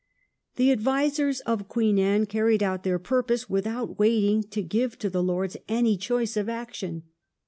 The advisers of Queen Anne carried out their purpose without waiting to give to the Lords any choice of action.